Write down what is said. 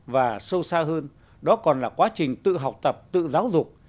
và sâu xa hơn đó còn là quá trình tự học tập tự giáo dục